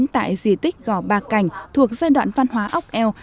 tại di tích gò ba cảnh thuộc giai đoạn văn hóa ốc eo